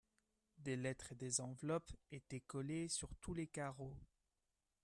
Des lettres et des enveloppes étaient collées sur tous les carreaux.